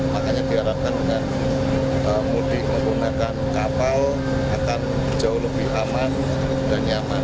makanya diharapkan dengan mudik menggunakan kapal akan jauh lebih aman dan nyaman